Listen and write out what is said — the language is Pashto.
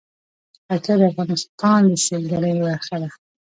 پکتیا د افغانستان د سیلګرۍ برخه ده.